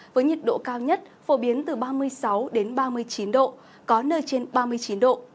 với nhiệt độ cao nhất phổ biến từ ba mươi sáu ba mươi chín độ có nơi trên ba mươi chín độ